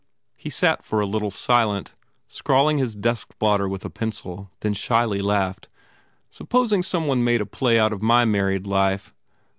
He sat for a little silent, scrawling his desk blotter wih a pencil, then shyly laughed, "Supposing some one made a play out of my mar ried life?